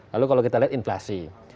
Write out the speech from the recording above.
lalu kalau kita lihat inflasi